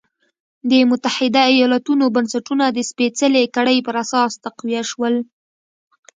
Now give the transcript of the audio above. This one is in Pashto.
د متحده ایالتونو بنسټونه د سپېڅلې کړۍ پر اساس تقویه شول.